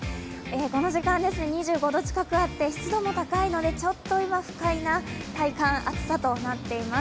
この時間２５度近くあって湿度も高いので、ちょっと今、不快な体感暑さとなっております。